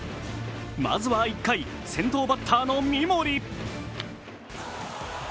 まずは１回、先頭バッターの三森。